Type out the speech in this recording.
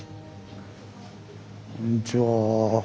こんにちは。